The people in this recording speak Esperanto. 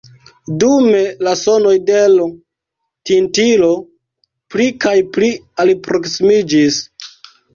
Dume la sonoj de l' tintilo pli kaj pli alproksimiĝis.